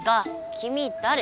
きみだれ？